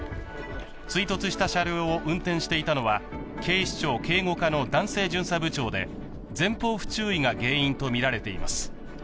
追突した車両を運転していたのは警視庁警護課の男性巡査部長で前方不注意が原因とみられています。